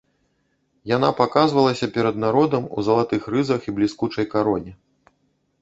Яна паказвалася перад народам у залатых рызах, у бліскучай кароне.